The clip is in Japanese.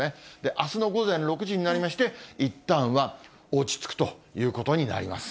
あすの午前６時になりまして、いったんは落ち着くということになります。